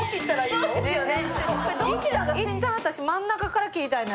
いったん、私まんなかから切りたいな。